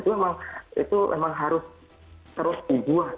nah itu memang harus terus berubah